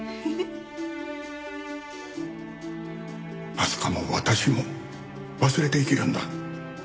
明日香も私も忘れて生きるんだ。